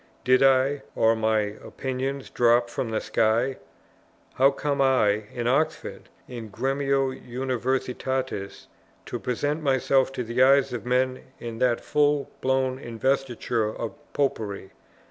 did I, or my opinions, drop from the sky? how came I, in Oxford, in gremio Universitatis, to present myself to the eyes of men in that full blown investiture of Popery?